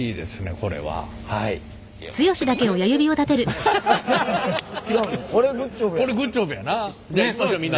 これグッジョブやな。